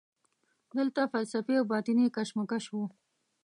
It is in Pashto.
دلته فلسفي او باطني کشمکش وینو.